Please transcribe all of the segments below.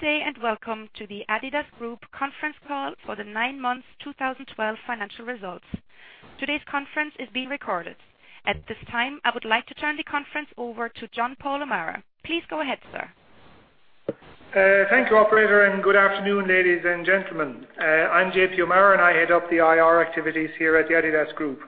Good day. Welcome to the adidas Group conference call for the nine months 2012 financial results. Today's conference is being recorded. At this time, I would like to turn the conference over to John-Paul O'Meara. Please go ahead, sir. Thank you, operator. Good afternoon, ladies and gentlemen. I'm J.P. O'Meara, and I head up the IR activities here at the adidas Group.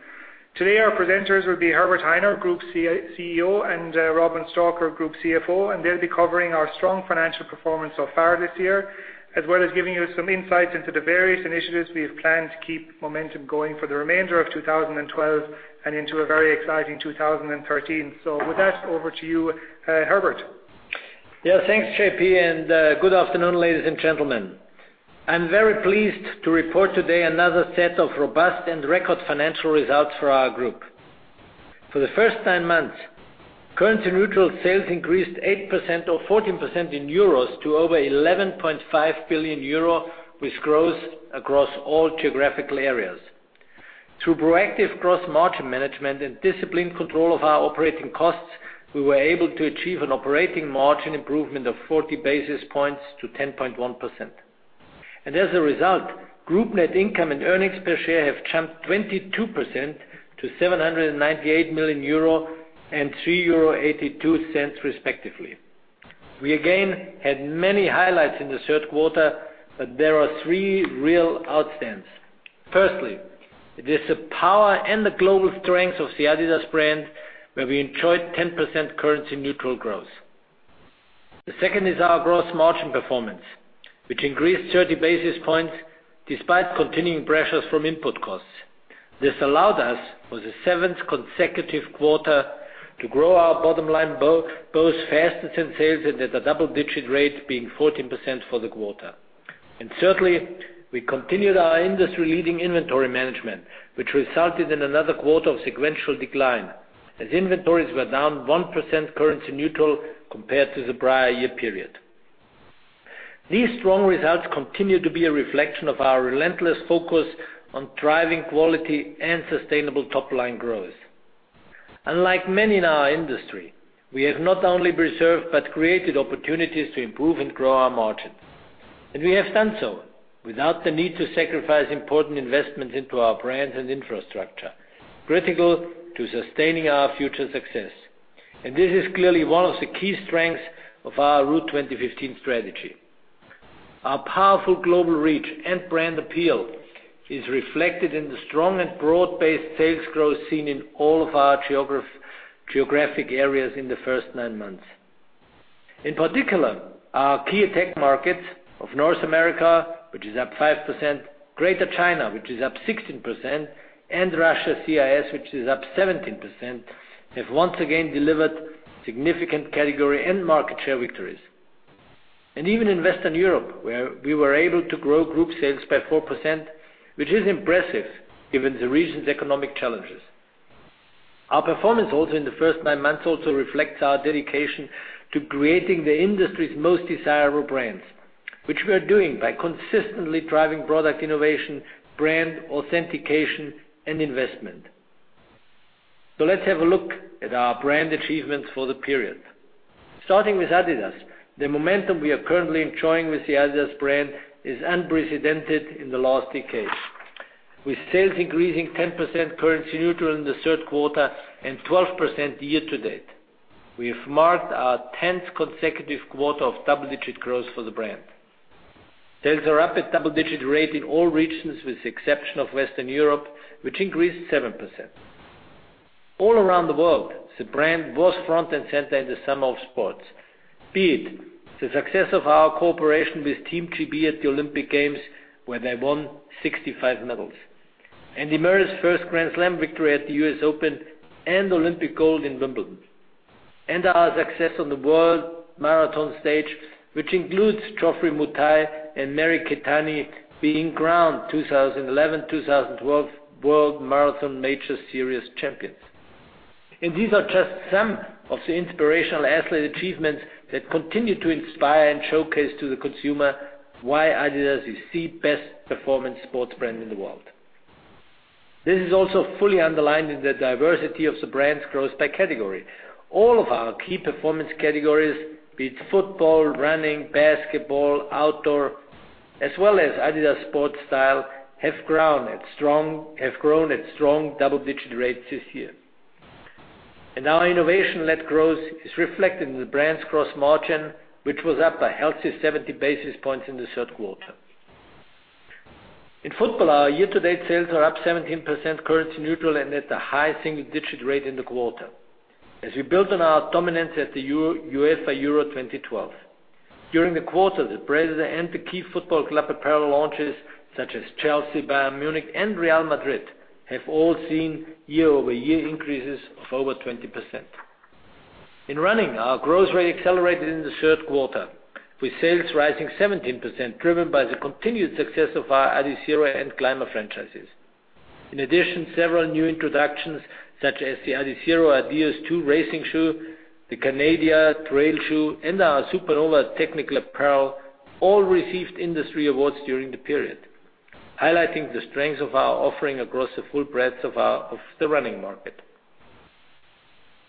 Today, our presenters will be Herbert Hainer, Group CEO, and Robin Stalker, Group CFO. They'll be covering our strong financial performance so far this year, as well as giving you some insights into the various initiatives we have planned to keep momentum going for the remainder of 2012 and into a very exciting 2013. With that, over to you, Herbert. Thanks, J.P. Good afternoon, ladies and gentlemen. I'm very pleased to report today another set of robust and record financial results for our group. For the first nine months, currency-neutral sales increased 8% or 14% in EUR to over 11.5 billion euro, with growth across all geographical areas. Through proactive gross margin management and disciplined control of our operating costs, we were able to achieve an operating margin improvement of 40 basis points to 10.1%. As a result, group net income and earnings per share have jumped 22% to 798 million euro and 3.82 euro respectively. We again had many highlights in the third quarter. There are three real outstands. Firstly, it is the power and the global strength of the adidas brand, where we enjoyed 10% currency-neutral growth. The second is our gross margin performance, which increased 30 basis points despite continuing pressures from input costs. This allowed us, for the seventh consecutive quarter, to grow our bottom line both faster than sales and at a double-digit rate, being 14% for the quarter. Thirdly, we continued our industry-leading inventory management, which resulted in another quarter of sequential decline, as inventories were down 1% currency neutral compared to the prior year period. These strong results continue to be a reflection of our relentless focus on driving quality and sustainable top-line growth. Unlike many in our industry, we have not only preserved, but created opportunities to improve and grow our margins. We have done so without the need to sacrifice important investments into our brands and infrastructure, critical to sustaining our future success. This is clearly one of the key strengths of our Route 2015 strategy. Our powerful global reach and brand appeal is reflected in the strong and broad-based sales growth seen in all of our geographic areas in the first nine months. In particular, our key attack markets of North America, which is up 5%, Greater China, which is up 16%, and Russia CIS, which is up 17%, have once again delivered significant category and market share victories. Even in Western Europe, where we were able to grow group sales by 4%, which is impressive given the region's economic challenges. Our performance in the first nine months also reflects our dedication to creating the industry's most desirable brands, which we are doing by consistently driving product innovation, brand authentication, and investment. Let's have a look at our brand achievements for the period. Starting with adidas, the momentum we are currently enjoying with the adidas brand is unprecedented in the last decade. With sales increasing 10% currency neutral in the third quarter and 12% year-to-date. We have marked our 10th consecutive quarter of double-digit growth for the brand. Sales are up at double-digit rate in all regions, with the exception of Western Europe, which increased 7%. All around the world, the brand was front and center in the summer of sports, be it the success of our cooperation with Team GB at the Olympic Games, where they won 65 medals, Andy Murray's first Grand Slam victory at the US Open and Olympic gold in Wimbledon. Our success on the world marathon stage, which includes Geoffrey Mutai and Mary Keitany being crowned 2011/2012 World Marathon Major Series champions. These are just some of the inspirational athlete achievements that continue to inspire and showcase to the consumer why adidas is the best performance sports brand in the world. This is also fully underlined in the diversity of the brand's growth by category. All of our key performance categories, be it football, running, basketball, outdoor, as well as adidas sports style, have grown at strong double-digit rates this year. Our innovation-led growth is reflected in the brand's gross margin, which was up a healthy 70 basis points in the third quarter. In football, our year-to-date sales are up 17% currency neutral and at a high single-digit rate in the quarter, as we built on our dominance at the UEFA Euro 2012. During the quarter, the presidency and the key football club apparel launches, such as Chelsea, Bayern Munich, and Real Madrid, have all seen year-over-year increases of over 20%. In running, our growth rate accelerated in the third quarter, with sales rising 17%, driven by the continued success of our Adizero and ClimaCool franchises. In addition, several new introductions, such as the Adizero Adios 2 racing shoe, the Kanadia trail shoe, and our Supernova technical apparel, all received industry awards during the period, highlighting the strength of our offering across the full breadth of the running market.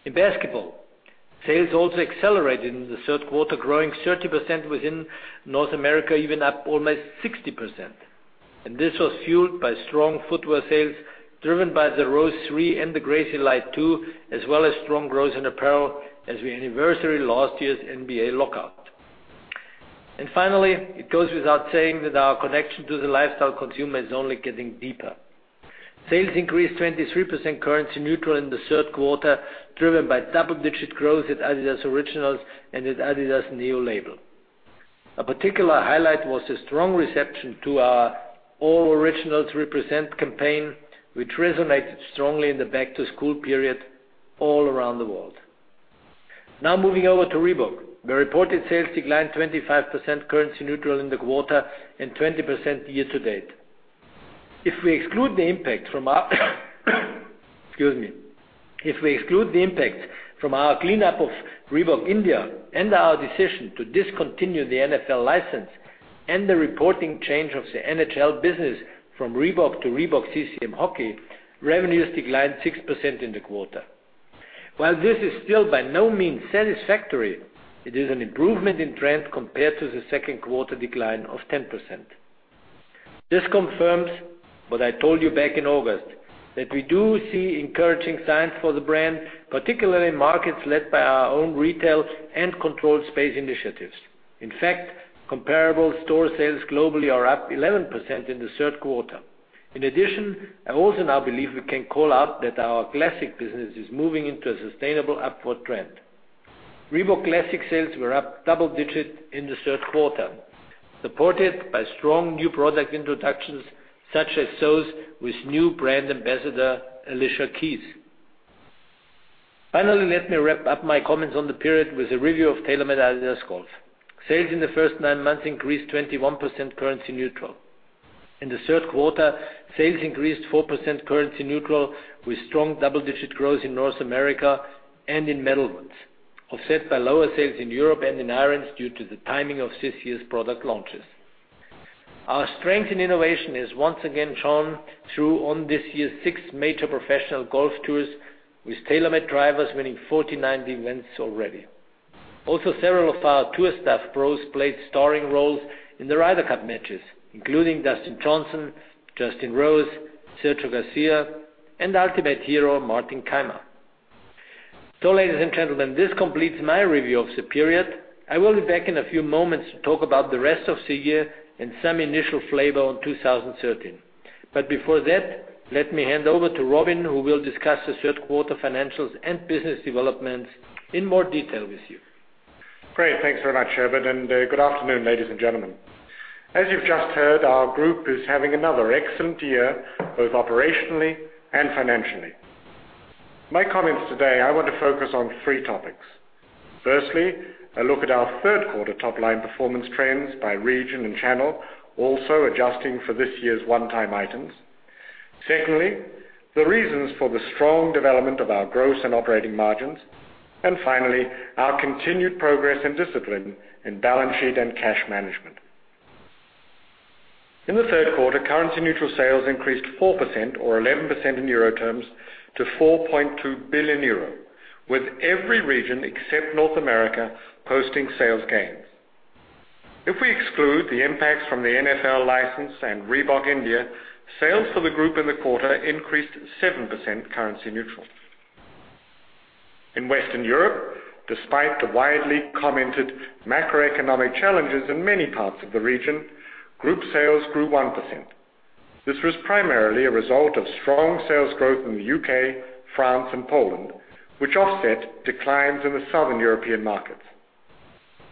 In basketball, sales also accelerated in the third quarter, growing 30% within North America, even up almost 60%. This was fueled by strong footwear sales, driven by the Rose 3 and the Crazy Light 2, as well as strong growth in apparel as we anniversary last year's NBA lockout. Finally, it goes without saying that our connection to the lifestyle consumer is only getting deeper. Sales increased 23% currency neutral in the third quarter, driven by double-digit growth at adidas Originals and its adidas NEO Label. A particular highlight was the strong reception to our all Originals represent campaign, which resonated strongly in the back-to-school period all around the world. Moving over to Reebok. The reported sales declined 25% currency neutral in the quarter and 20% year-to-date. If we exclude the impact from our. If we exclude the impact from our cleanup of Reebok India and our decision to discontinue the NFL license and the reporting change of the NHL business from Reebok to Reebok-CCM Hockey, revenues declined 6% in the quarter. While this is still by no means satisfactory, it is an improvement in trend compared to the second quarter decline of 10%. This confirms what I told you back in August, that we do see encouraging signs for the brand, particularly in markets led by our own retail and controlled space initiatives. In fact, comparable store sales globally are up 11% in the third quarter. In addition, I also now believe we can call out that our Classic business is moving into a sustainable upward trend. Reebok Classic sales were up double digits in the third quarter, supported by strong new product introductions such as those with new brand ambassador Alicia Keys. Finally, let me wrap up my comments on the period with a review of TaylorMade-adidas Golf. Sales in the first nine months increased 21% currency neutral. In the third quarter, sales increased 4% currency neutral, with strong double-digit growth in North America and in metalwoods, offset by lower sales in Europe and in irons due to the timing of this year's product launches. Our strength in innovation is once again shown through on this year's six major professional golf tours, with TaylorMade drivers winning 49 events already. Also, several of our tour staff pros played starring roles in the Ryder Cup matches, including Dustin Johnson, Justin Rose, Sergio Garcia, and ultimate hero Martin Kaymer. Ladies and gentlemen, this completes my review of the period. I will be back in a few moments to talk about the rest of the year and some initial flavor on 2013. But before that, let me hand over to Robin, who will discuss the third quarter financials and business developments in more detail with you. Thanks very much, Herbert, and good afternoon, ladies and gentlemen. As you've just heard, our group is having another excellent year, both operationally and financially. My comments today, I want to focus on three topics. Firstly, a look at our third quarter top-line performance trends by region and channel, also adjusting for this year's one-time items. Secondly, the reasons for the strong development of our gross and operating margins. And finally, our continued progress and discipline in balance sheet and cash management. In the third quarter, currency-neutral sales increased 4% or 11% in EUR terms to 4.2 billion euro, with every region except North America posting sales gains. If we exclude the impacts from the NFL license and Reebok India, sales for the group in the quarter increased 7% currency neutral. In Western Europe, despite the widely commented macroeconomic challenges in many parts of the region, group sales grew 1%. This was primarily a result of strong sales growth in the U.K., France, and Poland, which offset declines in the southern European markets.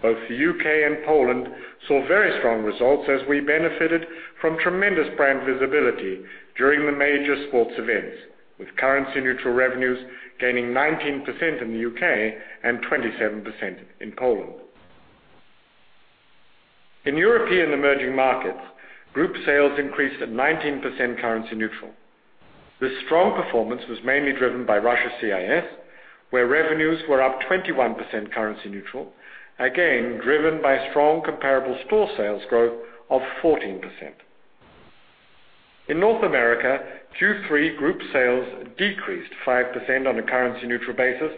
Both the U.K. and Poland saw very strong results as we benefited from tremendous brand visibility during the major sports events, with currency neutral revenues gaining 19% in the U.K. and 27% in Poland. In European emerging markets, group sales increased at 19% currency neutral. This strong performance was mainly driven by Russia CIS, where revenues were up 21% currency neutral, again, driven by strong comparable store sales growth of 14%. In North America, Q3 group sales decreased 5% on a currency neutral basis,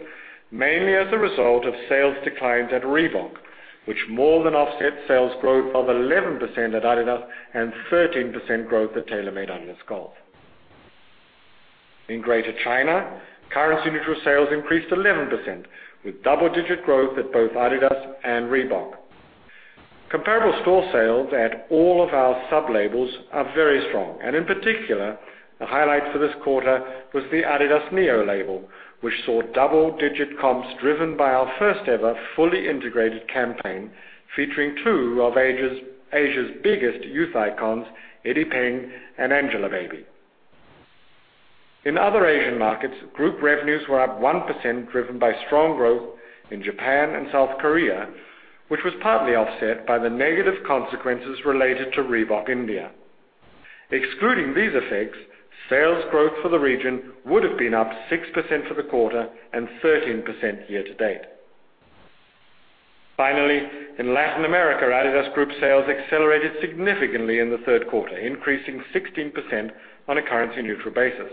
mainly as a result of sales declines at Reebok, which more than offset sales growth of 11% at adidas and 13% growth at TaylorMade-adidas Golf. In Greater China, currency neutral sales increased 11%, with double-digit growth at both adidas and Reebok. Comparable store sales at all of our sub-labels are very strong, and in particular, the highlight for this quarter was the adidas NEO Label, which saw double-digit comps driven by our first ever fully integrated campaign featuring two of Asia's biggest youth icons, Eddie Peng and Angelababy. In other Asian markets, group revenues were up 1%, driven by strong growth in Japan and South Korea, which was partly offset by the negative consequences related to Reebok India. Excluding these effects, sales growth for the region would've been up 6% for the quarter and 13% year-to-date. Finally, in Latin America, adidas Group sales accelerated significantly in the third quarter, increasing 16% on a currency neutral basis.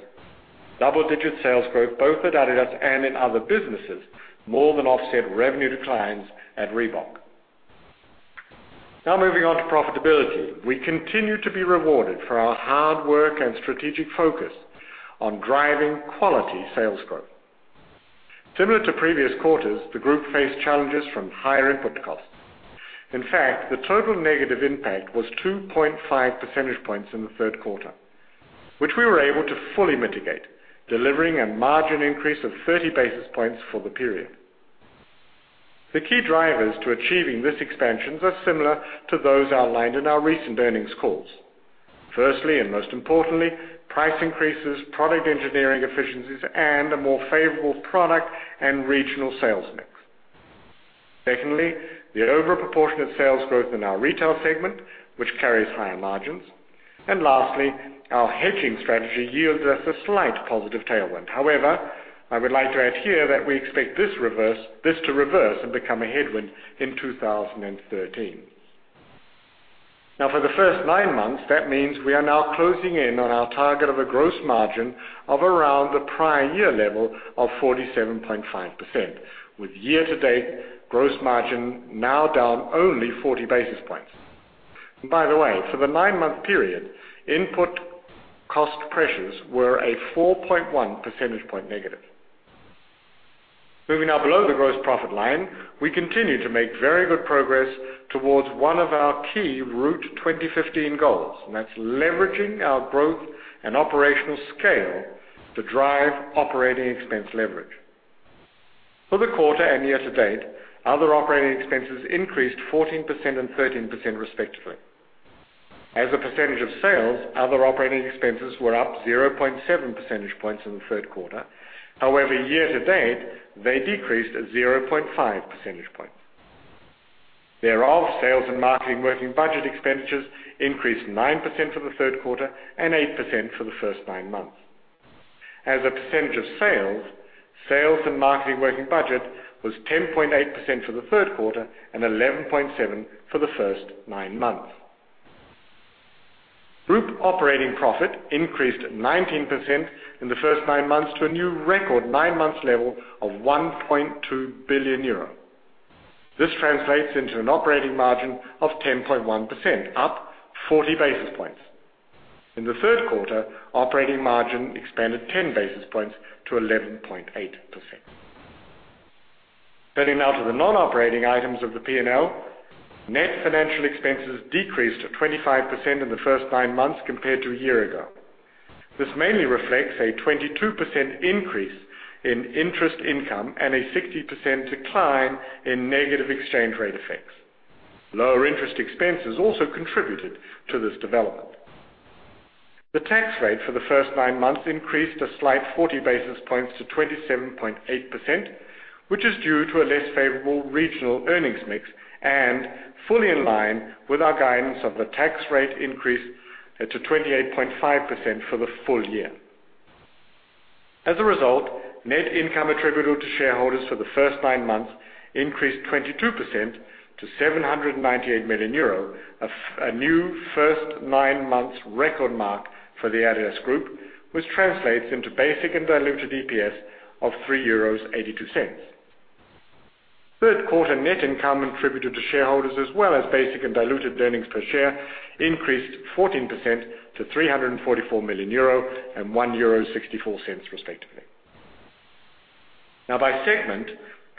Double-digit sales growth both at adidas and in other businesses more than offset revenue declines at Reebok. Now moving on to profitability. We continue to be rewarded for our hard work and strategic focus on driving quality sales growth. Similar to previous quarters, the group faced challenges from higher input costs. In fact, the total negative impact was 2.5 percentage points in the third quarter, which we were able to fully mitigate, delivering a margin increase of 30 basis points for the period. The key drivers to achieving this expansions are similar to those outlined in our recent earnings calls. Firstly, and most importantly, price increases, product engineering efficiencies, and a more favorable product and regional sales mix. Secondly, the overproportionate sales growth in our retail segment, which carries higher margins. Lastly, our hedging strategy yields us a slight positive tailwind. However, I would like to add here that we expect this to reverse and become a headwind in 2013. Now, for the first nine months, that means we are now closing in on our target of a gross margin of around the prior year level of 47.5%, with year-to-date gross margin now down only 40 basis points. By the way, for the nine-month period, input cost pressures were a 4.1 percentage point negative. Moving now below the gross profit line, we continue to make very good progress towards one of our key Route 2015 goals, and that's leveraging our growth and operational scale to drive operating expense leverage. For the quarter and year to date, other operating expenses increased 14% and 13% respectively. As a percentage of sales, other operating expenses were up 0.7 percentage points in the third quarter. Year to date, they decreased at 0.5 percentage points. Sales and marketing working budget expenditures increased 9% for the third quarter and 8% for the first nine months. As a percentage of sales and marketing working budget was 10.8% for the third quarter and 11.7% for the first nine months. Group operating profit increased 19% in the first nine months to a new record nine months level of 1.2 billion euro. This translates into an operating margin of 10.1%, up 40 basis points. In the third quarter, operating margin expanded 10 basis points to 11.8%. Turning now to the non-operating items of the P&L. Net financial expenses decreased 25% in the first nine months compared to a year ago. This mainly reflects a 22% increase in interest income and a 60% decline in negative exchange rate effects. Lower interest expenses also contributed to this development. The tax rate for the first nine months increased a slight 40 basis points to 27.8%, which is due to a less favorable regional earnings mix and fully in line with our guidance of the tax rate increase to 28.5% for the full year. Net income attributable to shareholders for the first nine months increased 22% to 798 million euro, a new first nine months record mark for the adidas Group, which translates into basic and diluted EPS of 3.82 euros. Third quarter net income attributed to shareholders as well as basic and diluted earnings per share increased 14% to 344 million euro and 1.64 euro respectively. By segment,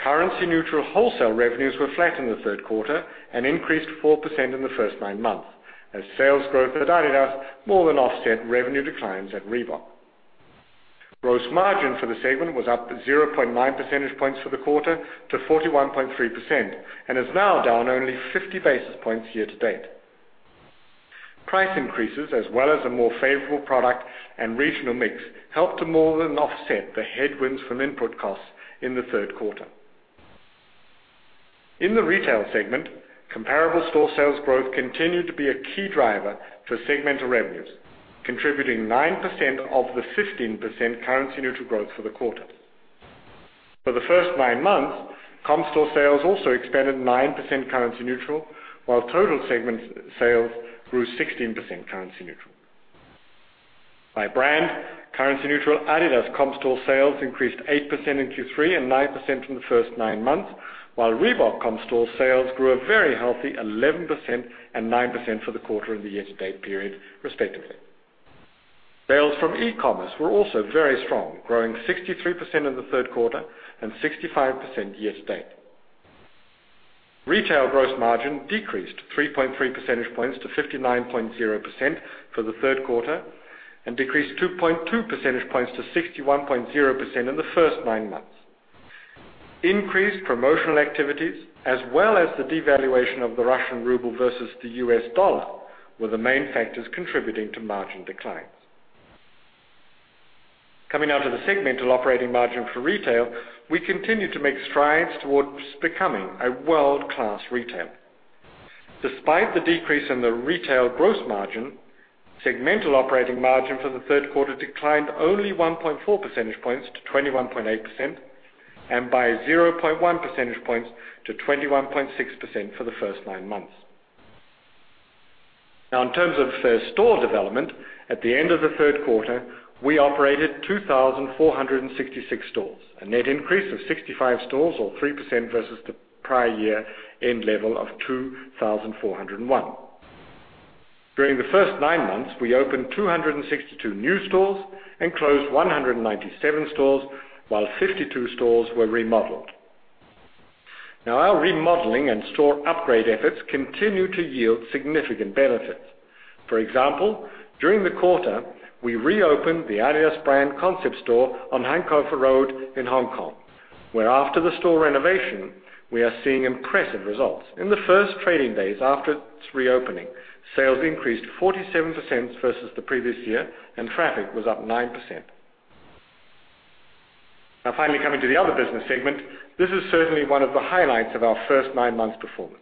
currency neutral wholesale revenues were flat in the third quarter and increased 4% in the first nine months, as sales growth at adidas more than offset revenue declines at Reebok. Gross margin for the segment was up to 0.9 percentage points for the quarter to 41.3%, and is now down only 50 basis points year to date. Price increases as well as a more favorable product and regional mix helped to more than offset the headwinds from input costs in the third quarter. In the retail segment, comparable store sales growth continued to be a key driver to segmental revenues, contributing 9% of the 15% currency neutral growth for the quarter. For the first nine months, comp store sales also expanded 9% currency neutral, while total segment sales grew 16% currency neutral. By brand, currency neutral adidas comp store sales increased 8% in Q3 and 9% in the first nine months, while Reebok comp store sales grew a very healthy 11% and 9% for the quarter and the year-to-date period respectively. Sales from e-commerce were also very strong, growing 63% in the third quarter and 65% year to date. Retail gross margin decreased 3.3 percentage points to 59.0% for the third quarter, and decreased 2.2 percentage points to 61.0% in the first nine months. Increased promotional activities as well as the devaluation of the Russian ruble versus the US dollar were the main factors contributing to margin declines. Coming now to the segmental operating margin for retail, we continue to make strides towards becoming a world-class retailer. Despite the decrease in the retail gross margin, segmental operating margin for the third quarter declined only 1.4 percentage points to 21.8%, and by 0.1 percentage points to 21.6% for the first nine months. In terms of store development, at the end of the third quarter, we operated 2,466 stores, a net increase of 65 stores or 3% versus the prior year end level of 2,401. During the first nine months, we opened 262 new stores and closed 197 stores, while 52 stores were remodeled. Our remodeling and store upgrade efforts continue to yield significant benefits. For example, during the quarter, we reopened the adidas brand concept store on Hankow Road in Hong Kong, where after the store renovation, we are seeing impressive results. In the first trading days after its reopening, sales increased 47% versus the previous year, and traffic was up 9%. Finally coming to the other business segment, this is certainly one of the highlights of our first nine months performance.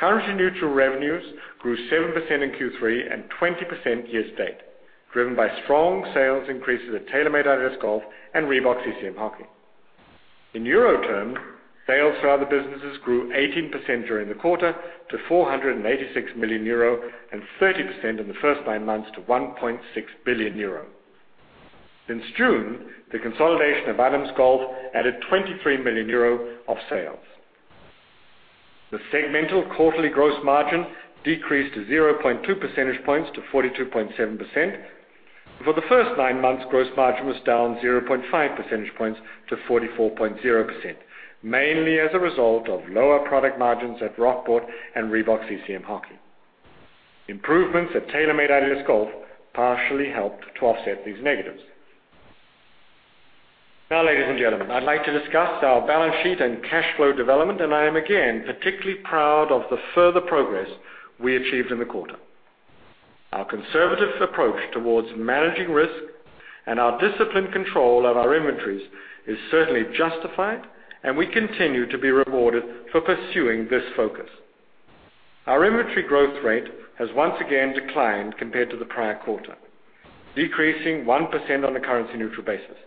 Currency neutral revenues grew 7% in Q3 and 20% year-to-date, driven by strong sales increases at TaylorMade-adidas Golf and Reebok-CCM Hockey. In EUR terms, sales for other businesses grew 18% during the quarter to 486 million euro and 30% in the first nine months to 1.6 billion euro. Since June, the consolidation of Adams Golf added 23 million euro of sales. The segmental quarterly gross margin decreased to 0.2 percentage points to 42.7%. For the first nine months, gross margin was down 0.5 percentage points to 44.0%, mainly as a result of lower product margins at Rockport and Reebok-CCM Hockey. Improvements at TaylorMade-adidas Golf partially helped to offset these negatives. Ladies and gentlemen, I'd like to discuss our balance sheet and cash flow development, and I am again particularly proud of the further progress we achieved in the quarter. Our conservative approach towards managing risk and our disciplined control of our inventories is certainly justified, and we continue to be rewarded for pursuing this focus. Our inventory growth rate has once again declined compared to the prior quarter, decreasing 1% on a currency neutral basis.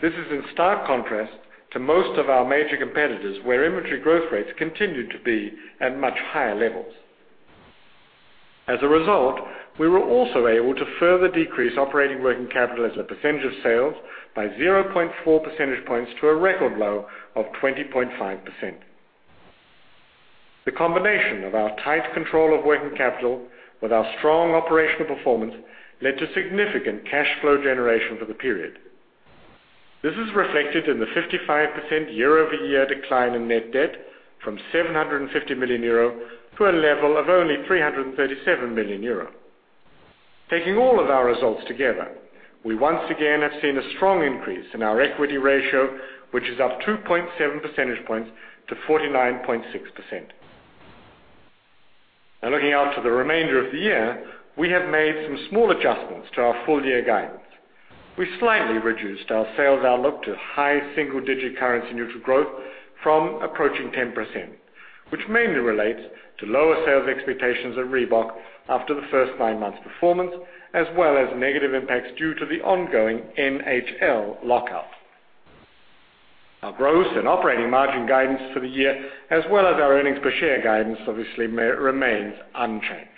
This is in stark contrast to most of our major competitors, where inventory growth rates continued to be at much higher levels. As a result, we were also able to further decrease operating working capital as a percentage of sales by 0.4 percentage points to a record low of 20.5%. The combination of our tight control of working capital with our strong operational performance led to significant cash flow generation for the period. This is reflected in the 55% year-over-year decline in net debt from 750 million euro to a level of only 337 million euro. Taking all of our results together, we once again have seen a strong increase in our equity ratio, which is up 2.7 percentage points to 49.6%. Looking out to the remainder of the year, we have made some small adjustments to our full year guidance. We slightly reduced our sales outlook to high single digit currency neutral growth from approaching 10%, which mainly relates to lower sales expectations at Reebok after the first nine months performance, as well as negative impacts due to the ongoing NHL lockout. Our gross and operating margin guidance for the year, as well as our earnings per share guidance, obviously remains unchanged.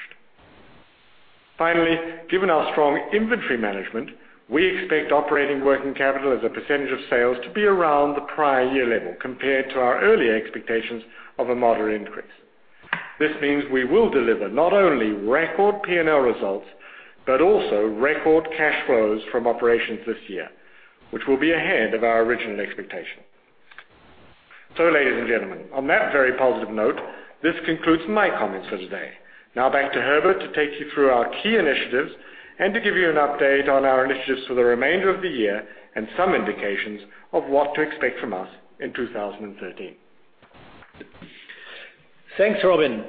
Finally, given our strong inventory management, we expect operating working capital as a percentage of sales to be around the prior year level compared to our earlier expectations of a moderate increase. This means we will deliver not only record P&L results, but also record cash flows from operations this year, which will be ahead of our original expectation. Ladies and gentlemen, on that very positive note, this concludes my comments for today. Now back to Herbert to take you through our key initiatives and to give you an update on our initiatives for the remainder of the year and some indications of what to expect from us in 2013. Thanks, Robin.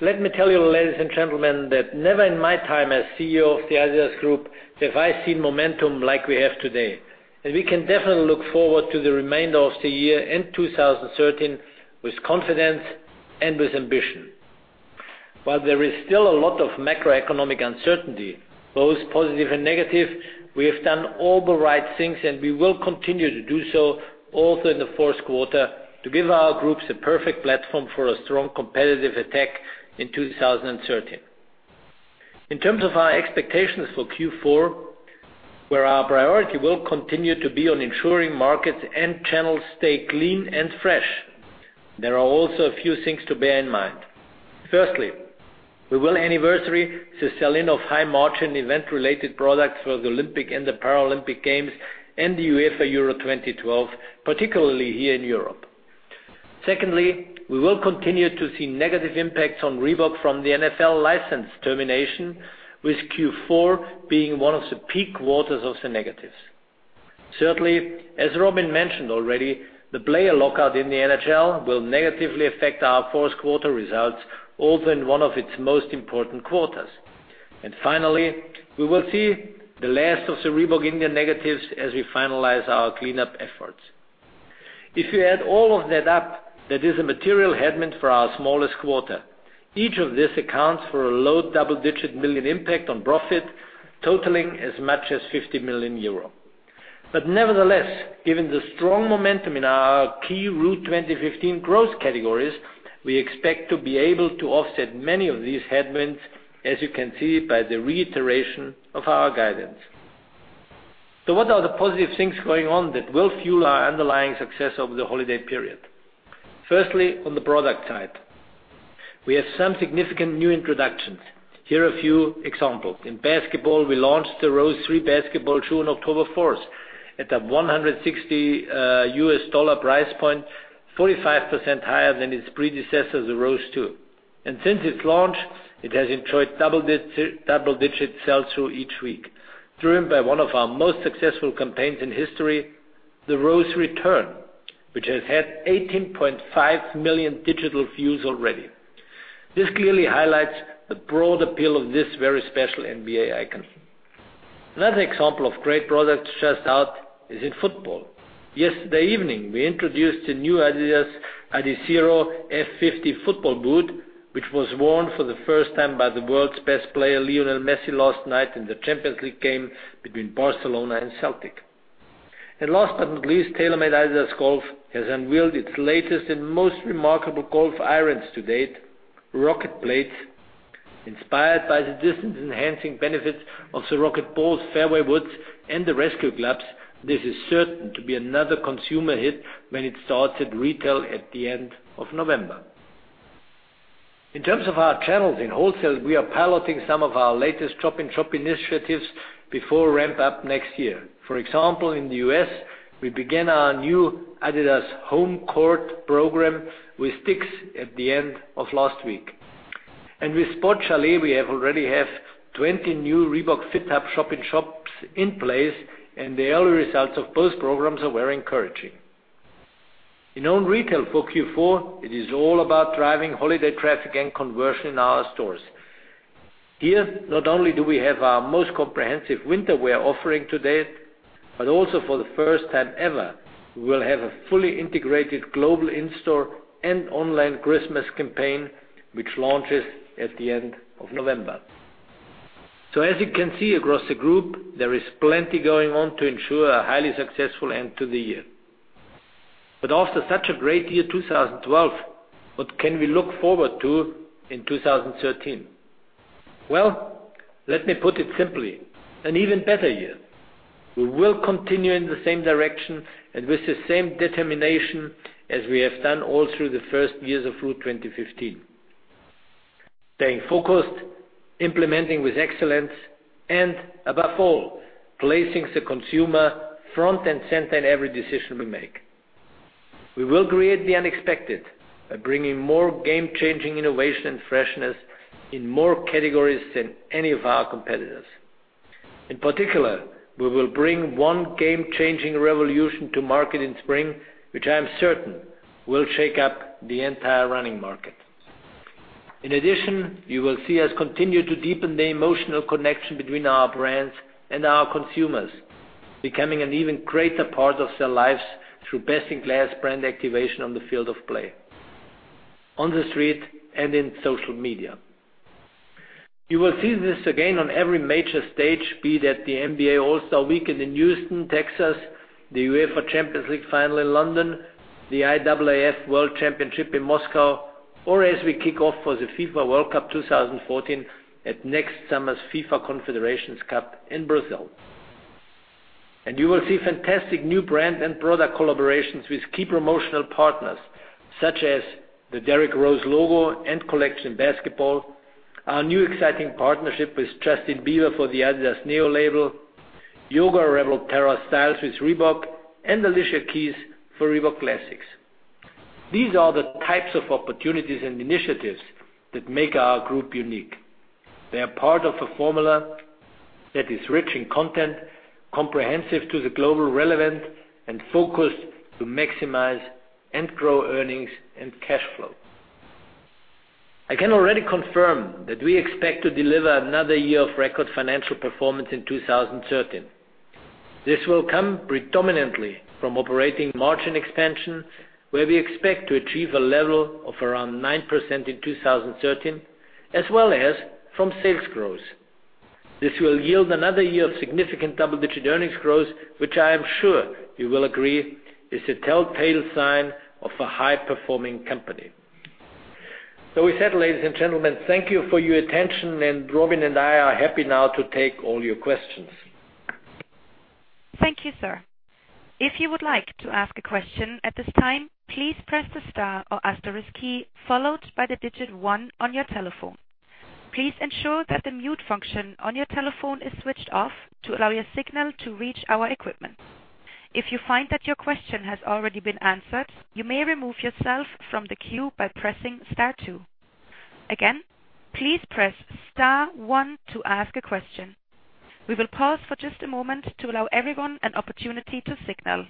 Let me tell you, ladies and gentlemen, that never in my time as CEO of the adidas Group have I seen momentum like we have today. We can definitely look forward to the remainder of the year in 2013 with confidence and with ambition. While there is still a lot of macroeconomic uncertainty, both positive and negative, we have done all the right things, and we will continue to do so also in the fourth quarter to give our groups a perfect platform for a strong competitive attack in 2013. In terms of our expectations for Q4, where our priority will continue to be on ensuring markets and channels stay clean and fresh. There are also a few things to bear in mind. Firstly, we will anniversary the sell-in of high-margin event-related products for the Olympic and the Paralympic Games and the UEFA Euro 2012, particularly here in Europe. Secondly, we will continue to see negative impacts on Reebok from the NFL license termination, with Q4 being one of the peak quarters of the negatives. Certainly, as Robin mentioned already, the player lockout in the NHL will negatively affect our fourth quarter results, although in one of its most important quarters. Finally, we will see the last of the Reebok India negatives as we finalize our cleanup efforts. If you add all of that up, that is a material headwind for our smallest quarter. Each of these accounts for a low double-digit million impact on profit, totaling as much as 50 million euro. Nevertheless, given the strong momentum in our key Route 2015 growth categories, we expect to be able to offset many of these headwinds, as you can see by the reiteration of our guidance. What are the positive things going on that will fuel our underlying success over the holiday period? Firstly, on the product side, we have some significant new introductions. Here are a few examples. In basketball, we launched the Rose 3 basketball shoe on October 4th at the $160 U.S. dollar price point, 45% higher than its predecessor, the Rose 2. Since its launch, it has enjoyed double-digit sell-through each week, driven by one of our most successful campaigns in history, The Return of D Rose, which has had 18.5 million digital views already. This clearly highlights the broad appeal of this very special NBA icon. Another example of great products to stress out is in football. Last but not least, TaylorMade-adidas Golf has unveiled its latest and most remarkable golf irons to date, RocketBladez. Inspired by the distance-enhancing benefits of the RocketBallz fairway woods and the rescue clubs, this is certain to be another consumer hit when it starts at retail at the end of November. In terms of our channels in wholesale, we are piloting some of our latest shop-in-shop initiatives before ramp up next year. For example, in the U.S., we began our new adidas HomeCourt program with Dick's at the end of last week. With Sport Chalet, we already have 20 new Reebok FitHub shop-in-shops in place, and the early results of both programs are very encouraging. In own retail for Q4, it is all about driving holiday traffic and conversion in our stores. Here, not only do we have our most comprehensive winter wear offering to date, but also for the first time ever, we will have a fully integrated global in-store and online Christmas campaign, which launches at the end of November. As you can see across the group, there is plenty going on to ensure a highly successful end to the year. After such a great year 2012, what can we look forward to in 2013? Well, let me put it simply, an even better year. We will continue in the same direction and with the same determination as we have done all through the first years of Route 2015. Staying focused, implementing with excellence, and above all, placing the consumer front and center in every decision we make. We will create the unexpected by bringing more game-changing innovation and freshness in more categories than any of our competitors. In particular, we will bring one game-changing revolution to market in spring, which I am certain will shake up the entire running market. In addition, you will see us continue to deepen the emotional connection between our brands and our consumers, becoming an even greater part of their lives through best-in-class brand activation on the field of play, on the street, and in social media. You will see this again on every major stage, be that the NBA All-Star Weekend in Houston, Texas, the UEFA Champions League final in London, the IAAF World Championships in Moscow, or as we kick off for the FIFA World Cup 2014 at next summer's FIFA Confederations Cup in Brazil. You will see fantastic new brand and product collaborations with key promotional partners, such as the Derrick Rose logo and collection basketball, our new exciting partnership with Justin Bieber for the adidas NEO Label, Yoga Rebel Tara Stiles with Reebok, and Alicia Keys for Reebok Classics. These are the types of opportunities and initiatives that make our group unique. They are part of a formula that is rich in content, comprehensive to the global relevant, and focused to maximize and grow earnings and cash flow. I can already confirm that we expect to deliver another year of record financial performance in 2013. This will come predominantly from operating margin expansion, where we expect to achieve a level of around 9% in 2013, as well as from sales growth. This will yield another year of significant double-digit earnings growth, which I am sure you will agree is the telltale sign of a high-performing company. With that, ladies and gentlemen, thank you for your attention, and Robin and I are happy now to take all your questions. Thank you, sir. If you would like to ask a question at this time, please press the star or asterisk key, followed by the digit 1 on your telephone. Please ensure that the mute function on your telephone is switched off to allow your signal to reach our equipment. If you find that your question has already been answered, you may remove yourself from the queue by pressing star 2. Again, please press star 1 to ask a question. We will pause for just a moment to allow everyone an opportunity to signal.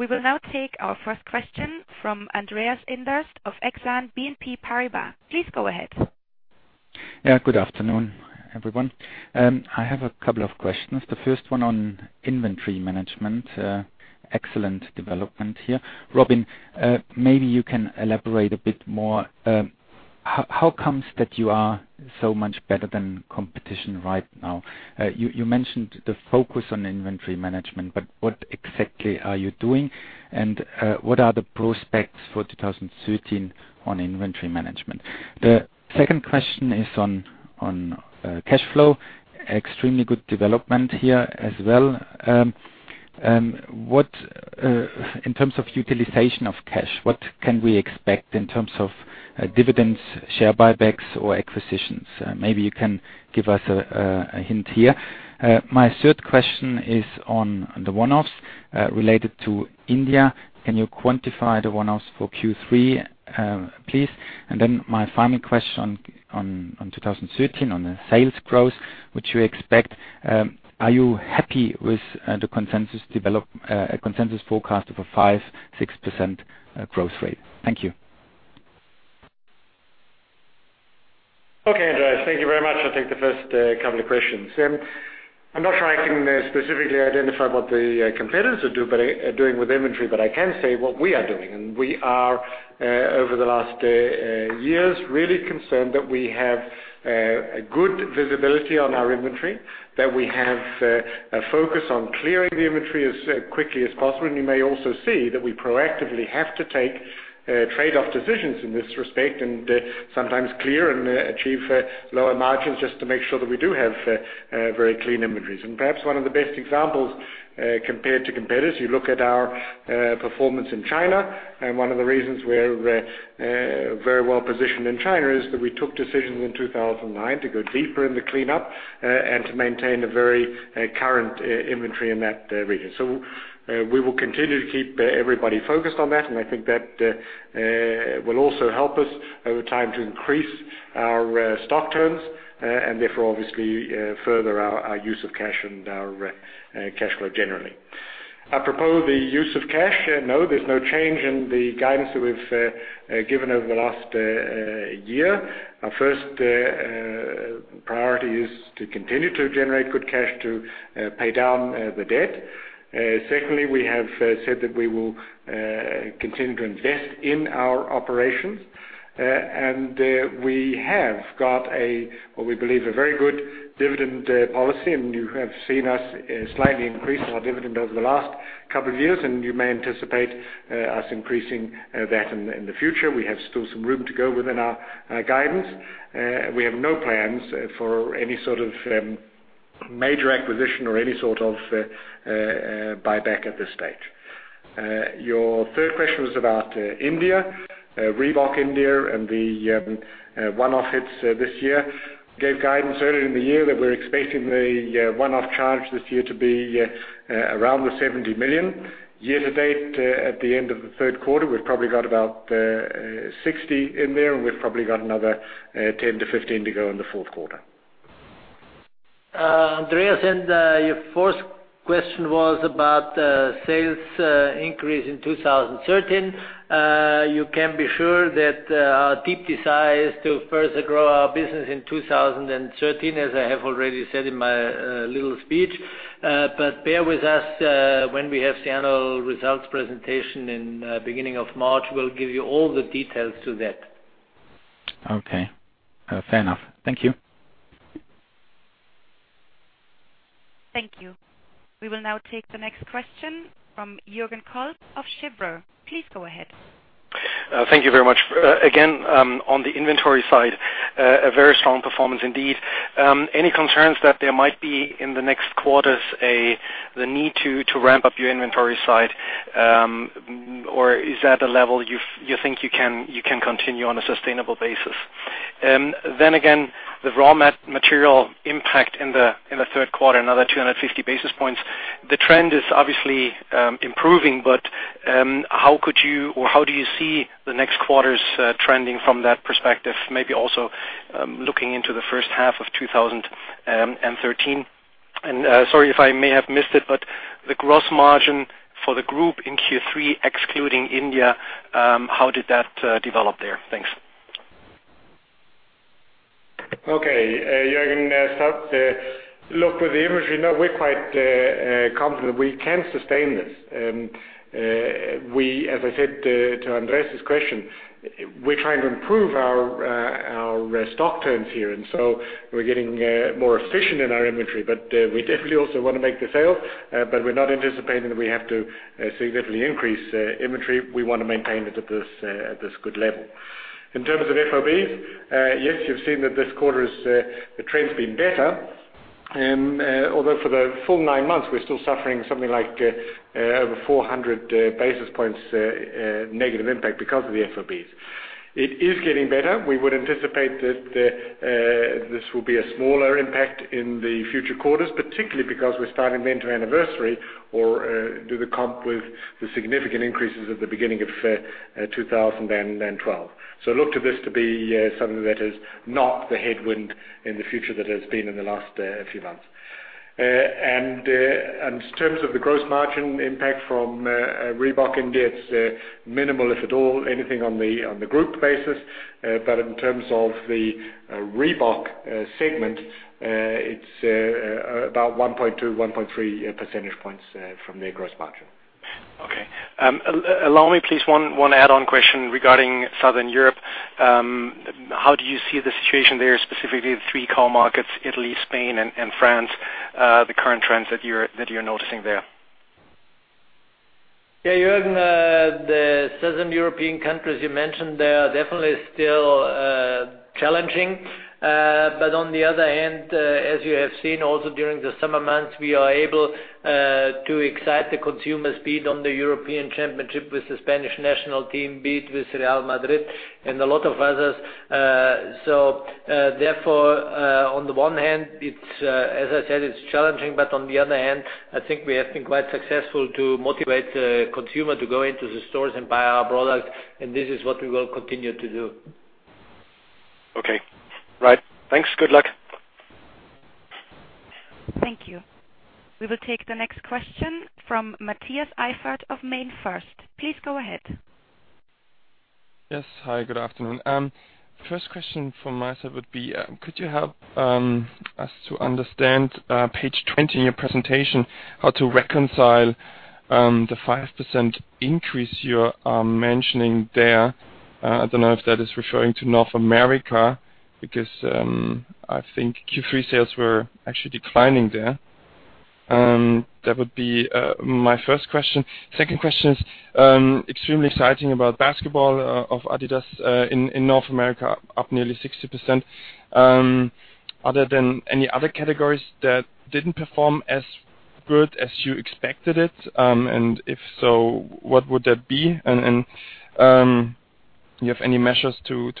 We will now take our first question from Andreas Inderst of Exane BNP Paribas. Please go ahead. Good afternoon, everyone. I have a couple of questions. The first one on inventory management, excellent development here. Robin, maybe you can elaborate a bit more. How comes that you are so much better than competition right now? You mentioned the focus on inventory management, but what exactly are you doing, and what are the prospects for 2013 on inventory management? The second question is on cash flow. Extremely good development here as well. In terms of utilization of cash, what can we expect in terms of dividends, share buybacks or acquisitions? Maybe you can give us a hint here. My third question is on the one-offs related to India. Can you quantify the one-offs for Q3, please? My final question on 2013, on the sales growth, which you expect, are you happy with the consensus forecast of a 5%-6% growth rate? Thank you. Okay, Andreas, thank you very much. I'll take the first couple of questions. I'm not sure I can specifically identify what the competitors are doing with inventory, but I can say what we are doing. We are, over the last years, really concerned that we have a good visibility on our inventory, that we have a focus on clearing the inventory as quickly as possible. You may also see that we proactively have to take trade-off decisions in this respect, and sometimes clear and achieve lower margins just to make sure that we do have very clean inventories. Perhaps one of the best examples, compared to competitors, you look at our performance in China, and one of the reasons we're very well-positioned in China is that we took decisions in 2009 to go deeper in the cleanup and to maintain a very current inventory in that region. We will continue to keep everybody focused on that, I think that will also help us over time to increase our stock turns, and therefore obviously further our use of cash and our cash flow generally. Apropos the use of cash, there's no change in the guidance that we've given over the last year. Our first priority is to continue to generate good cash to pay down the debt. Secondly, we have said that we will continue to invest in our operations. We have got a, what we believe, a very good dividend policy, and you have seen us slightly increase our dividend over the last couple of years, and you may anticipate us increasing that in the future. We have still some room to go within our guidance. We have no plans for any sort of major acquisition or any sort of buyback at this stage. Your third question was about India, Reebok India, and the one-off hits this year. We gave guidance earlier in the year that we're expecting the one-off charge this year to be around the 70 million. Year to date, at the end of the third quarter, we've probably got about 60 in there, and we've probably got another 10-15 to go in the fourth quarter. Andreas, your fourth question was about sales increase in 2013. You can be sure that our deep desire is to further grow our business in 2013, as I have already said in my little speech. Bear with us when we have the annual results presentation in beginning of March, we'll give you all the details to that. Okay. Fair enough. Thank you. Thank you. We will now take the next question from Jürgen Kolb of Kepler Cheuvreux. Please go ahead. Thank you very much. Again, on the inventory side, a very strong performance indeed. Any concerns that there might be, in the next quarters, the need to ramp up your inventory side? Or is that a level you think you can continue on a sustainable basis? The raw material impact in the third quarter, another 250 basis points. The trend is obviously improving, but how do you see the next quarters trending from that perspective, maybe also looking into the first half of 2013? Sorry if I may have missed it, but the gross margin for the group in Q3, excluding India, how did that develop there? Thanks. Jürgen, look, with the imagery now, we are quite confident we can sustain this. As I said to Andreas's question, we are trying to improve our stock turns here. We are getting more efficient in our inventory. We definitely also want to make the sale. We are not anticipating that we have to significantly increase inventory. We want to maintain it at this good level. In terms of FOBs, yes, you have seen that this quarter the trend has been better. For the full nine months, we are still suffering something like over 400 basis points negative impact because of the FOBs. It is getting better. We would anticipate that this will be a smaller impact in the future quarters, particularly because we are starting then to anniversary or do the comp with the significant increases at the beginning of 2012. Look to this to be something that is not the headwind in the future that it has been in the last few months. In terms of the gross margin impact from Reebok India, it is minimal, if at all, anything on the group basis. In terms of the Reebok segment, it is about 1.2, 1.3 percentage points from their gross margin. Okay. Allow me, please, one add-on question regarding Southern Europe. How do you see the situation there, specifically the three core markets, Italy, Spain, and France, the current trends that you're noticing there? Yeah, Jürgen, the Southern European countries you mentioned there are definitely still challenging. On the other hand, as you have seen also during the summer months, we are able to excite the consumer speed on the European Championship with the Spanish national team, be it with Real Madrid and a lot of others. Therefore, on the one hand, as I said, it's challenging, but on the other hand, I think we have been quite successful to motivate the consumer to go into the stores and buy our product. This is what we will continue to do. Okay. Right. Thanks. Good luck. Thank you. We will take the next question from Matthias Eifert of MainFirst. Please go ahead. Yes, hi, good afternoon. First question from my side would be, could you help us to understand, page 20 in your presentation, how to reconcile the 5% increase you are mentioning there? I don't know if that is referring to North America, because I think Q3 sales were actually declining there. That would be my first question. Second question is, extremely exciting about basketball of adidas in North America, up nearly 60%. Other than any other categories that didn't perform as good as you expected it, and if so, what would that be? Do you have any measures to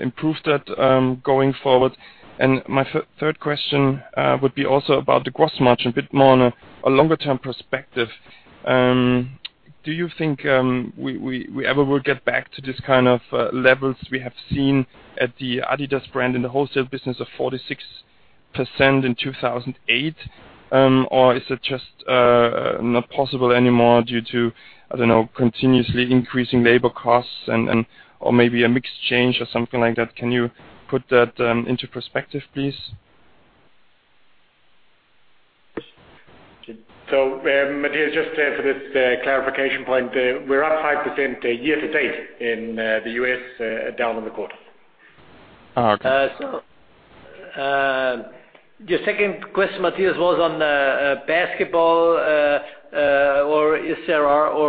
improve that going forward? My third question would be also about the gross margin, a bit more on a longer-term perspective. Do you think we ever will get back to this kind of levels we have seen at the adidas brand in the wholesale business of 46% in 2008? Is it just not possible anymore due to, I don't know, continuously increasing labor costs or maybe a mix change or something like that? Can you put that into perspective, please? Matthias, just for this clarification point, we're up 5% year to date in the U.S., down on the quarter. Okay. Your second question, Matthias, was on basketball,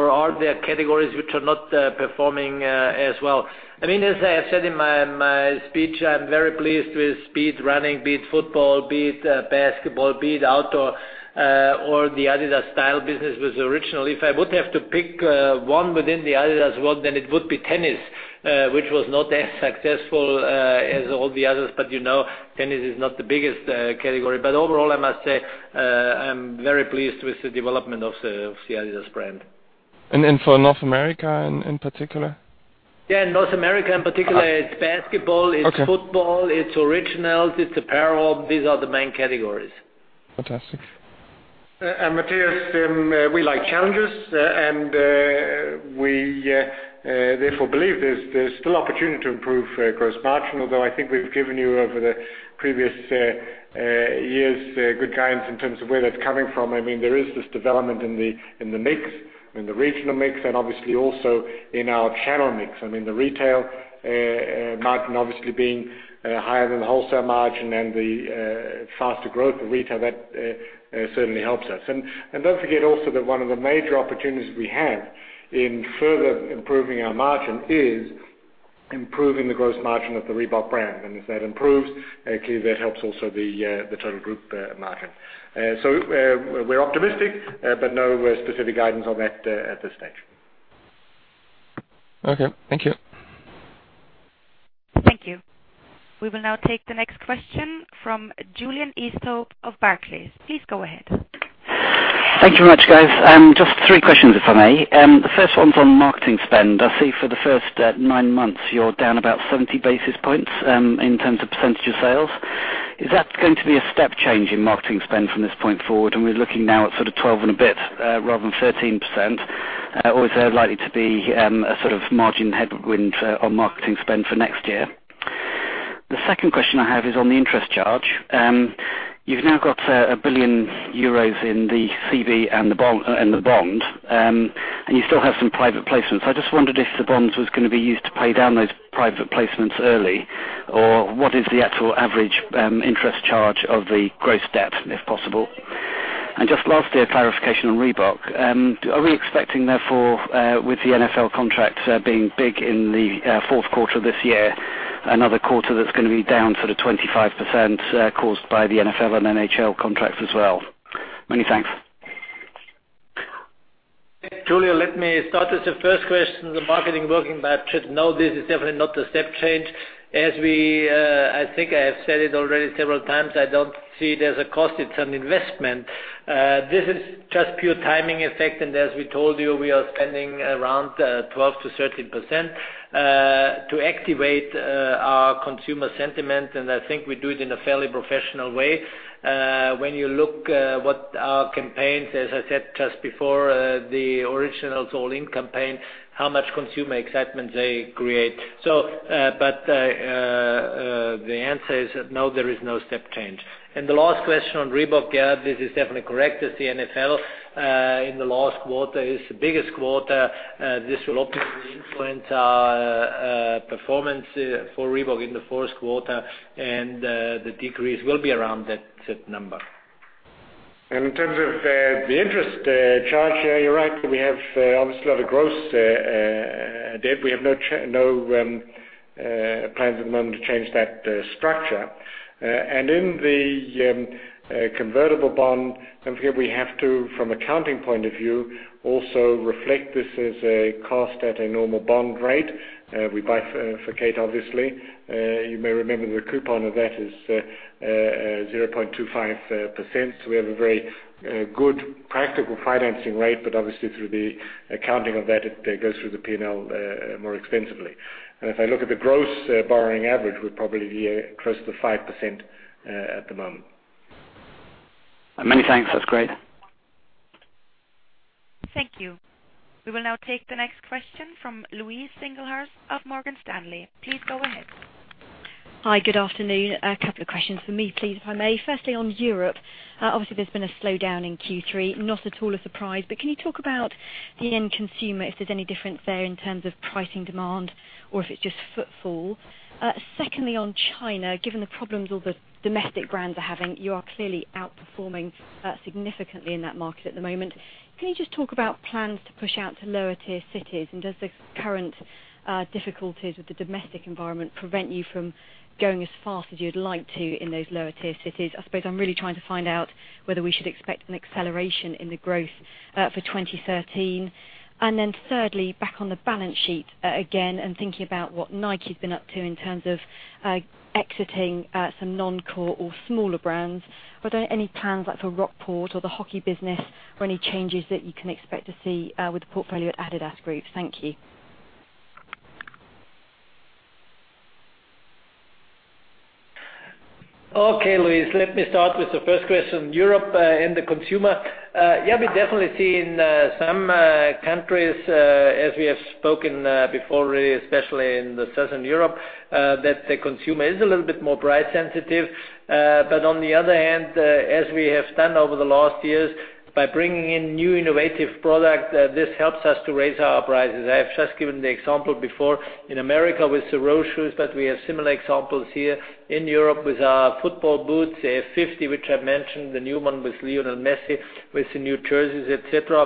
are there categories which are not performing as well? As I have said in my speech, I'm very pleased with speed running, be it football, be it basketball, be it outdoor or the adidas style business with adidas Originals. If I would have to pick one within the adidas world, then it would be tennis, which was not as successful as all the others. Tennis is not the biggest category. Overall, I must say, I'm very pleased with the development of the adidas brand. For North America in particular? Yeah, in North America, in particular, it's basketball, it's football- Okay It's Originals, it's apparel. These are the main categories. Fantastic. Matthias, we like challenges, and we therefore believe there's still opportunity to improve gross margin, although I think we've given you over the previous years good guidance in terms of where that's coming from. There is this development in the mix, in the regional mix, and obviously also in our channel mix. The retail margin obviously being higher than the wholesale margin and the faster growth of retail, that certainly helps us. Don't forget also that one of the major opportunities we have in further improving our margin is improving the gross margin of the Reebok brand. If that improves, clearly that helps also the total Group margin. We're optimistic, but no specific guidance on that at this stage. Okay. Thank you. Thank you. We will now take the next question from Julian Eastoe of Barclays. Please go ahead. Thank you very much, guys. Just three questions, if I may. The first one's on marketing spend. I see for the first nine months, you're down about 70 basis points in terms of percentage of sales. Is that going to be a step change in marketing spend from this point forward, and we're looking now at 12 and a bit rather than 13%? Is there likely to be a margin headwind on marketing spend for next year? The second question I have is on the interest charge. You've now got 1 billion euros in the CB and the bond, and you still have some private placements. I just wondered if the bonds was going to be used to pay down those private placements early, or what is the actual average interest charge of the gross debt, if possible? Just lastly, a clarification on Reebok. Are we expecting, therefore, with the NFL contract being big in the fourth quarter this year, another quarter that's going to be down sort of 25% caused by the NFL and NHL contracts as well? Many thanks. Julian, let me start with the first question, the marketing working. No, this is definitely not a step change. I think I have said it already several times, I don't see it as a cost, it's an investment. This is just pure timing effect, as we told you, we are spending around 12%-13% to activate our consumer sentiment, and I think we do it in a fairly professional way. When you look what our campaigns, as I said just before, the Originals All In campaign, how much consumer excitement they create. The answer is no, there is no step change. The last question on Reebok, yeah, this is definitely correct, as the NFL in the last quarter is the biggest quarter. This will obviously influence our performance for Reebok in the fourth quarter, and the decrease will be around that number. In terms of the interest charge, yeah, you're right. We have obviously a lot of gross debt. We have no plans at the moment to change that structure. In the convertible bond, we have to, from accounting point of view, also reflect this as a cost at a normal bond rate. We bifurcate, obviously. You may remember the coupon of that is 0.25%, so we have a very good practical financing rate, but obviously through the accounting of that, it goes through the P&L more expensively. If I look at the gross borrowing average, we're probably close to 5% at the moment. Many thanks. That's great. Thank you. We will now take the next question from Louise Singlehurst of Morgan Stanley. Please go ahead. Hi. Good afternoon. A couple of questions from me, please, if I may. Firstly, on Europe, obviously there's been a slowdown in Q3, not at all a surprise. Can you talk about the end consumer, if there's any difference there in terms of pricing demand, or if it's just footfall? Secondly, on China, given the problems all the domestic brands are having, you are clearly outperforming significantly in that market at the moment. Can you just talk about plans to push out to lower-tier cities? Does the current difficulties with the domestic environment prevent you from going as fast as you'd like to in those lower-tier cities? I suppose I'm really trying to find out whether we should expect an acceleration in the growth for 2013. Thirdly, back on the balance sheet again and thinking about what Nike's been up to in terms of exiting some non-core or smaller brands. Were there any plans like for Rockport or the hockey business, or any changes that you can expect to see with the portfolio at adidas Group? Thank you. Okay, Louise. Let me start with the first question, Europe and the consumer. Yeah, we're definitely seeing some countries, as we have spoken before, really especially in the Southern Europe, that the consumer is a little bit more price sensitive. On the other hand, as we have done over the last years by bringing in new innovative product, this helps us to raise our prices. I have just given the example before in America with the raw shoes. We have similar examples here in Europe with our football boots, F50, which I've mentioned, the new one with Lionel Messi, with the new jerseys, et cetera.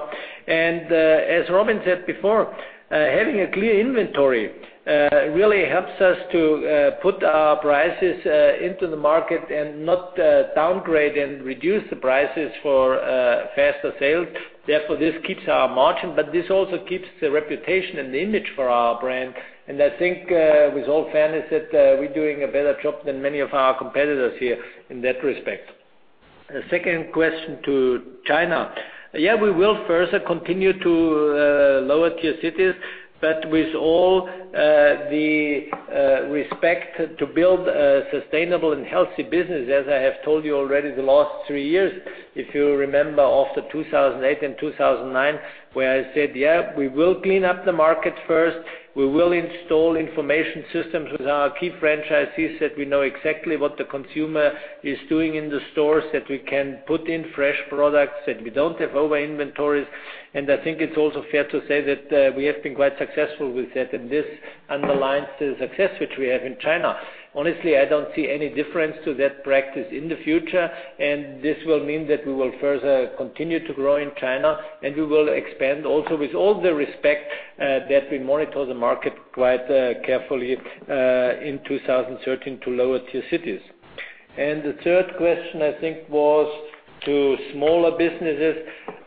As Robin said before, having a clear inventory really helps us to put our prices into the market and not downgrade and reduce the prices for faster sales. Therefore, this keeps our margin, but this also keeps the reputation and the image for our brand. I think with all fairness, that we're doing a better job than many of our competitors here in that respect. The second question to China. Yeah, we will further continue to lower-tier cities, but with all the respect to build a sustainable and healthy business, as I have told you already the last three years, if you remember after 2008 and 2009, where I said, "Yeah, we will clean up the market first. We will install information systems with our key franchisees that we know exactly what the consumer is doing in the stores, that we can put in fresh products, that we don't have over inventories. I think it's also fair to say that we have been quite successful with that, this underlines the success which we have in China. Honestly, I don't see any difference to that practice in the future, this will mean that we will further continue to grow in China, we will expand also with all the respect that we monitor the market quite carefully in 2013 to lower-tier cities. The third question, I think, was to smaller businesses.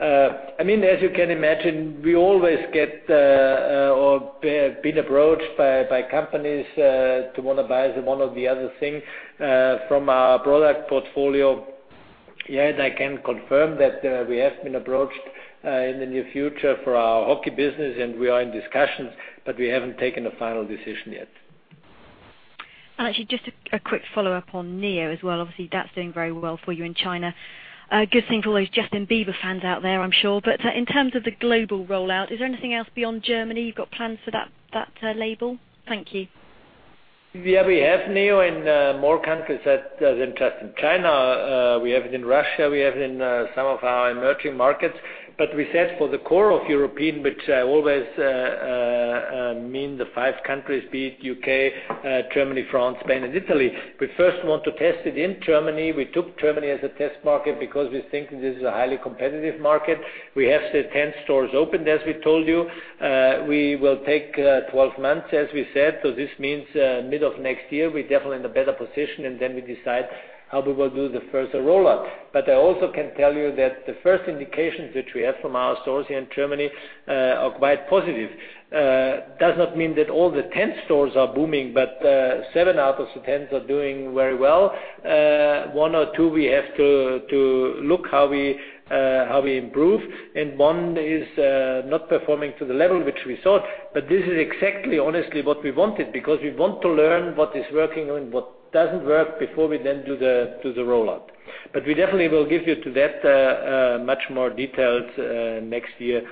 As you can imagine, we always get or been approached by companies to want to buy one or the other thing from our product portfolio. Yes, I can confirm that we have been approached in the near future for our hockey business, we are in discussions, we haven't taken a final decision yet. Actually, just a quick follow-up on Neo as well. Obviously, that's doing very well for you in China. Good thing for all those Justin Bieber fans out there, I'm sure. In terms of the global rollout, is there anything else beyond Germany? You've got plans for that label? Thank you. We have Neo in more countries than just in China. We have it in Russia, we have it in some of our emerging markets. We said for the core of European, which always means the five countries, be it U.K., Germany, France, Spain, and Italy. We first want to test it in Germany. We took Germany as a test market because we think this is a highly competitive market. We have the 10 stores opened, as we told you. We will take 12 months, as we said. This means mid of next year, we're definitely in a better position, then we decide how we will do the first rollout. I also can tell you that the first indications that we have from our stores here in Germany are quite positive. Does not mean that all the 10 stores are booming, but seven out of the 10 are doing very well. One or two we have to look how we improve. One is not performing to the level which we thought. This is exactly, honestly, what we wanted because we want to learn what is working and what doesn't work before we then do the rollout. We definitely will give you to that much more details next year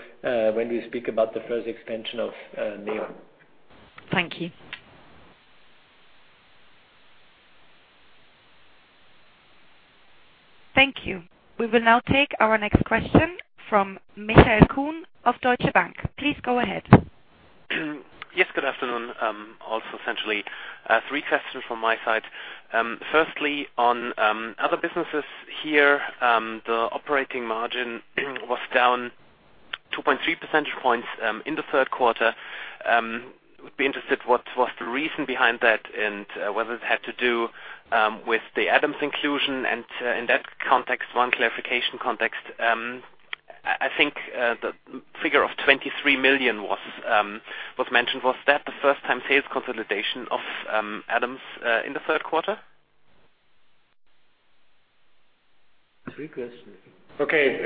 when we speak about the first expansion of adidas NEO. Thank you. Thank you. We will now take our next question from Michael Kuhn of Deutsche Bank. Please go ahead. Yes, good afternoon. Essentially, three questions from my side. Firstly, on other businesses here, the operating margin was down 2.3 percentage points in the third quarter. Would be interested what was the reason behind that and whether it had to do with the Adams inclusion. In that context, one clarification context, I think the figure of 23 million was mentioned. Was that the first-time sales consolidation of Adams in the third quarter? Three questions. Okay.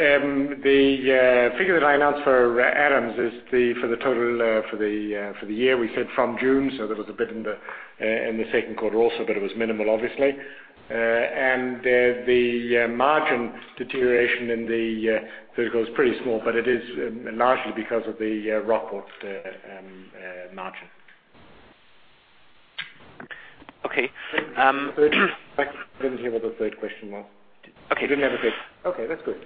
The figure that I announced for Adams is for the total for the year. We said from June, so there was a bit in the second quarter also, but it was minimal, obviously. The margin deterioration in the third quarter was pretty small, but it is largely because of the Rockport margin. Okay. I didn't hear what the third question was. Okay. You didn't have a third. Okay, that's good.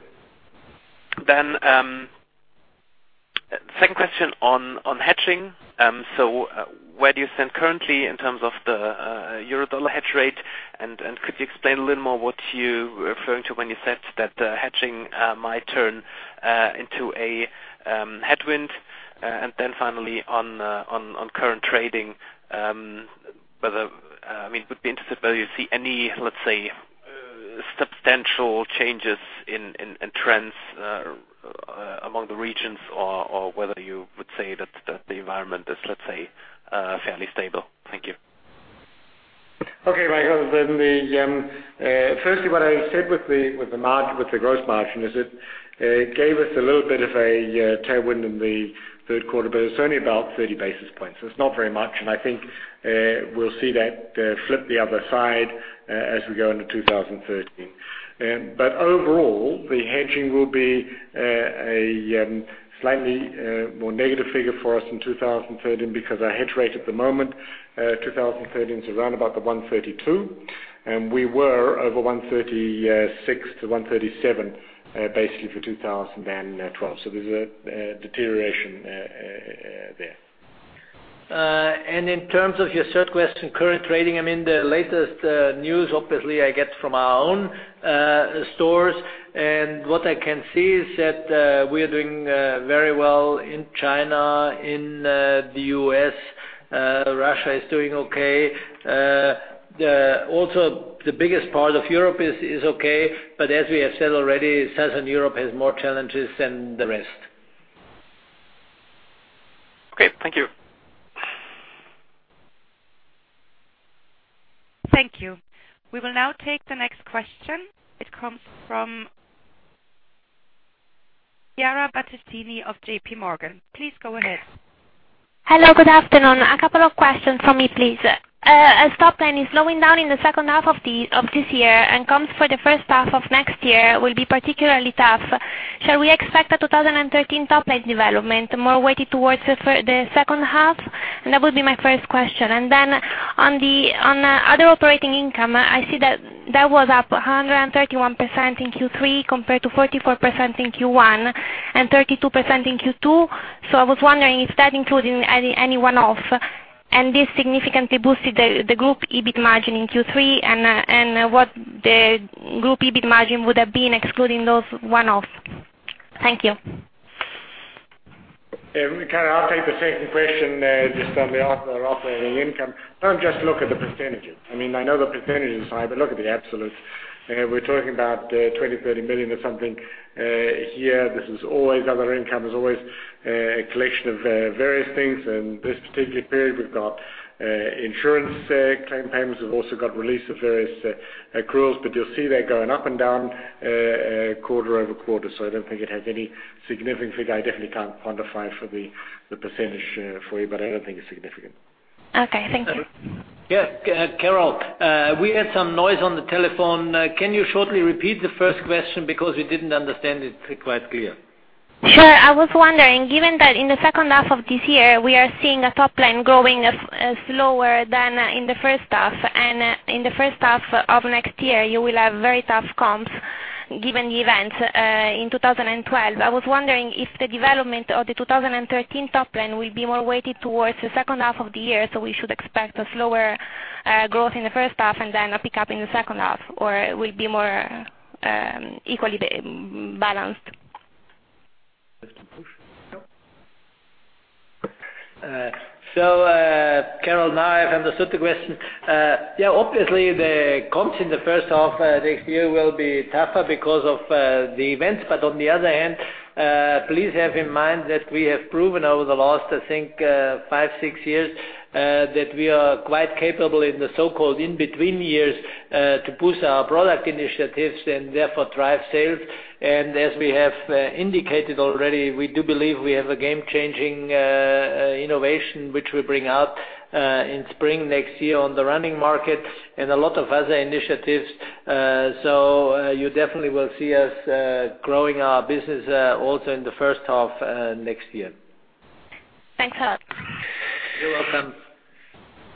Second question on hedging. Where do you stand currently in terms of the euro dollar hedge rate? Could you explain a little more what you were referring to when you said that the hedging might turn into a headwind? Finally, on current trading, would be interested whether you see any, let's say, substantial changes in trends among the regions or whether you would say that the environment is, let's say, fairly stable. Thank you. Okay, Michael. Firstly, what I said with the gross margin is that it gave us a little bit of a tailwind in the third quarter, but it was only about 30 basis points. It's not very much, I think we'll see that flip the other side as we go into 2013. Overall, the hedging will be a slightly more negative figure for us in 2013 because our hedge rate at the moment, 2013, is around about the 132, and we were over 136 to 137 basically for 2012. There's a deterioration there. In terms of your third question, current trading, the latest news obviously I get from our own stores. What I can see is that we are doing very well in China, in the U.S. Russia is doing okay. Also, the biggest part of Europe is okay, but as we have said already, Southern Europe has more challenges than the rest. Okay. Thank you. Thank you. We will now take the next question. It comes from Chiara Battistini of JPMorgan. Please go ahead. Hello, good afternoon. A couple of questions from me, please. As top line is slowing down in the second half of this year and comps for the first half of next year will be particularly tough. Shall we expect a 2013 top line development more weighted towards the second half? That would be my first question. On other operating income, I see that that was up 131% in Q3 compared to 44% in Q1 and 32% in Q2. I was wondering if that included any one-off, and this significantly boosted the group EBIT margin in Q3 and what the group EBIT margin would have been excluding those one-off. Thank you. Yeah. Can I take the second question just on the operating income? Don't just look at the percentages. I know the percentages, but look at the absolutes. We're talking about 20 million, 30 million or something here. This is always other income. There's always a collection of various things. In this particular period, we've got insurance claim payments. We've also got release of various accruals. You'll see that going up and down quarter-over-quarter. I don't think it has any significant figure. I definitely can't quantify the percentage for you, I don't think it's significant. Okay. Thank you. Yes. Chiara. We had some noise on the telephone. Can you shortly repeat the first question because we didn't understand it quite clear? Sure. I was wondering, given that in the second half of this year, we are seeing a top line growing slower than in the first half, and in the first half of next year, you will have very tough comps given the events in 2012. I was wondering if the development of the 2013 top line will be more weighted towards the second half of the year, so we should expect a slower growth in the first half and then a pickup in the second half, or it will be more equally balanced. Chiara, now I've understood the question. Obviously the comps in the first half next year will be tougher because of the events. On the other hand, please have in mind that we have proven over the last, I think, five, six years that we are quite capable in the so-called in-between years to boost our product initiatives and therefore drive sales. As we have indicated already, we do believe we have a game-changing innovation which we bring out in spring next year on the running market and a lot of other initiatives. You definitely will see us growing our business also in the first half next year. Thanks a lot. You're welcome.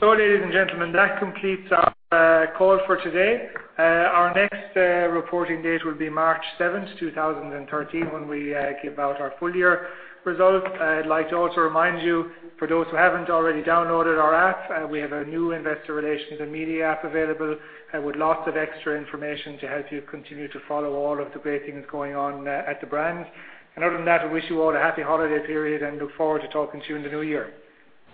Ladies and gentlemen, that completes our call for today. Our next reporting date will be March 7th, 2013, when we give out our full-year results. I'd like to also remind you, for those who haven't already downloaded our app, we have a new investor relations and media app available with lots of extra information to help you continue to follow all of the great things going on at the brand. Other than that, we wish you all a happy holiday period and look forward to talking to you in the new year.